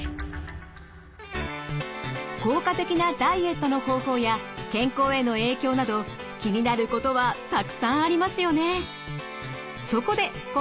効果的なダイエットの方法や健康への影響など気になることはたくさんありますよね。